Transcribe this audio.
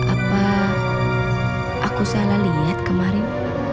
apa aku salah lihat kemarin